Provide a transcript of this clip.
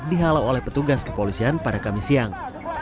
dihalau oleh petugas kepolisian pada kamis siang